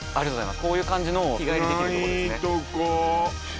こういう感じの日帰りできるとこですね